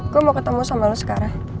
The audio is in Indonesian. gue mau ketemu sama lo sekarang